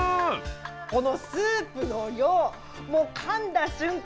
このスープの量もうかんだ瞬間